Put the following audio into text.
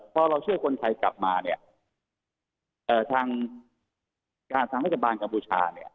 พอเราเชื่อคนไทยกลับมาเนี่ยเอ่อทางการทางรัฐบาลกัมพูชาเนี่ย